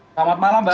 selamat malam mbak